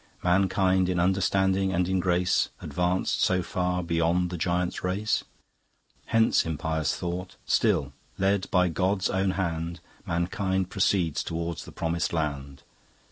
Mankind in understanding and in grace Advanc'd so far beyond the Giants' race? Hence impious thought! Still led by GOD'S own Hand, Mankind proceeds towards the Promised Land.